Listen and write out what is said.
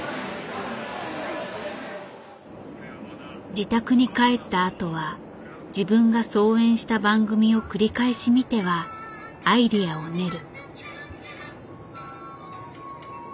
自宅に帰ったあとは自分が操演した番組を繰り返し見てはアイデアを練る。